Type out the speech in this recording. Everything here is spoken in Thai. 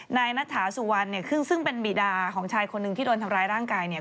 นายนัทถาสุวรรณเนี่ยซึ่งเป็นบีดาของชายคนหนึ่งที่โดนทำร้ายร่างกายเนี่ย